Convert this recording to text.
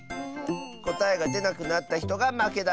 こたえがでなくなったひとがまけだよ。